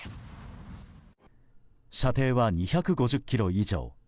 射程は２５０ｋｍ以上。